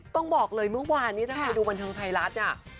ต้องบอกเลยเมื่อวานนี้ถ้าใครดูบันเทิงไทยรัฐเนี่ย